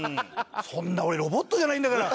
「そんな俺ロボットじゃないんだから」。